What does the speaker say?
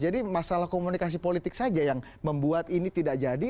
masalah komunikasi politik saja yang membuat ini tidak jadi